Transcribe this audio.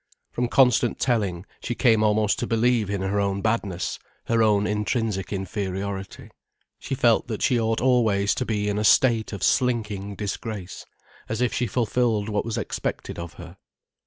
From constant telling, she came almost to believe in her own badness, her own intrinsic inferiority. She felt that she ought always to be in a state of slinking disgrace, if she fulfilled what was expected of her.